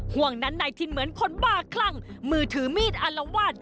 ห่วงนั้นนายทินเหมือนคนบ้าคลั่งมือถือมีดอารวาส